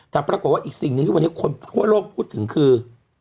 แต่ปรากฏว่าอีกสิ่งหนึ่งที่วันนี้คนทั่วโลกพูดถึงคือ